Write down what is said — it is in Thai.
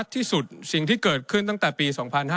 ที่สุดสิ่งที่เกิดขึ้นตั้งแต่ปี๒๕๕๙